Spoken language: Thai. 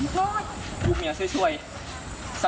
มึงเคยเห็นแบบนี้ในข่าว